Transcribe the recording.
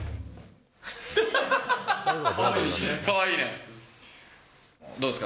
かわいいですね。